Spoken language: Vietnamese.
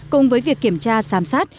cùng với việc kiểm tra giám sát